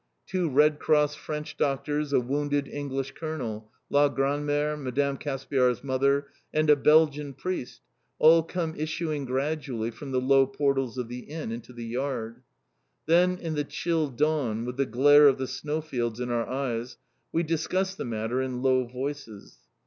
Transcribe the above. Two Red Cross French doctors, a wounded English Colonel, la grandmère, Mme. Caspiar's mother, and a Belgian priest, all come issuing gradually from the low portals of the Inn into the yard. Then in the chill dawn, with the glare of the snow fields in our eyes, we discuss the matter in low voices.